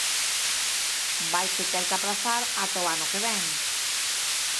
Vaise ter que aprazar ata o ano que vén.